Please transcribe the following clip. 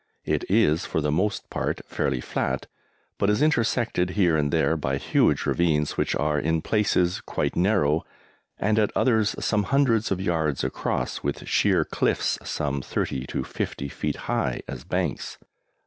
It is for the most part fairly flat, but is intersected here and there by huge ravines, which are in places quite narrow, and at others some hundreds of yards across, with sheer cliffs some thirty to fifty feet high as banks.